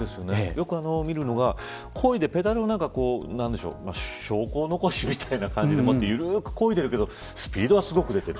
よく見るのがこいでペダルを証拠残しみたいな感じで緩くこいでるけどスピードは出ている。